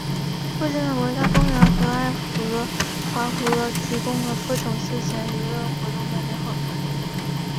附近的国家公园和爱荷华河提供了各种休闲娱乐活动的良好条件。